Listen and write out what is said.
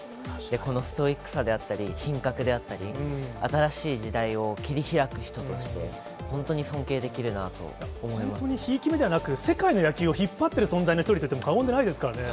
このストイックさであったり、品格であったり、新しい時代を切り開く人として、本当に尊敬でき本当にひいき目ではなく、世界の野球を引っ張っている存在の一人といっても過言じゃないですからね。